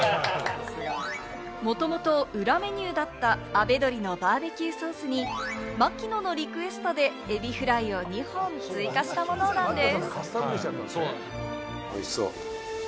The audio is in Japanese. もともと裏メニューだったあべどりのＢＢＱソースに槙野のリクエストでエビフライを２本追加したものなんです。